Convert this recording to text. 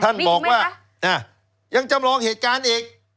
ท่านบอกว่ายังจำลองเหตุการณ์อีก